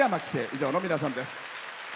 以上の皆さんです。